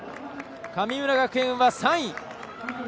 神村学園は３位。